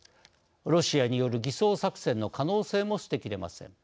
ロシアによる偽装作戦の可能性も捨てきれません。